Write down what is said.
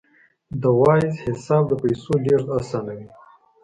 د وایز حساب د پیسو لیږد اسانوي.